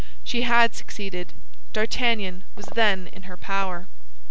She had succeeded; D'Artagnan was then in her power!